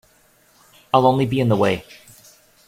I'll only be in the way.